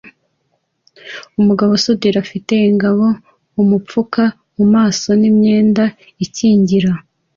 Umugabo usudira afite ingabo imupfuka mu maso n'imyenda ikingira